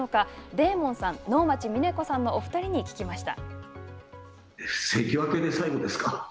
デーモンさん、能町みね子さんのお２人に聞きました。